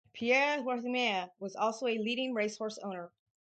Pierre Wertheimer was also a leading racehorse owner.